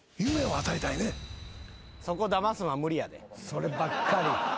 そればっかり。